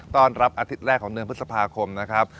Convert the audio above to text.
ตอนรับอาทิตย์แรกของเดือนพฤษภาคมนะครับ